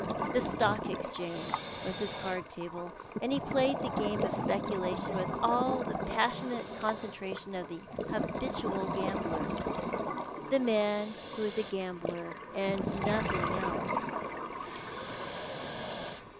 The Stock Exchange was his card table, and ho played the game of si^eTculation with all the passionate concentration of the habitual gambler — the man who is a gambler, and nothing else.